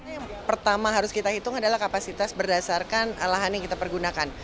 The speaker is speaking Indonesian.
yang pertama harus kita hitung adalah kapasitas berdasarkan lahan yang kita pergunakan